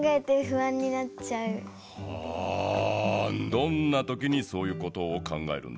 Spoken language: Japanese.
どんなときにそういうことを考えるんですか？